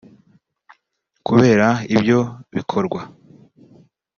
Kubera ibyo bikorwa